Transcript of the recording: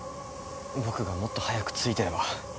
僕がもっと早く着いてれば。